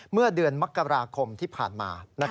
เมื่อเดือนมกราคมที่ผ่านมา